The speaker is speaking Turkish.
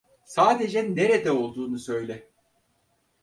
Sadece nerede olduğunu söyle.